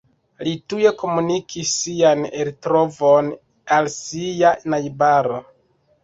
Li tuj komunikis sian eltrovon al sia najbaro.